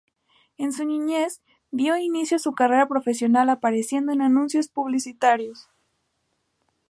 En su niñez dio inicio a su carrera profesional apareciendo en anuncios publicitarios.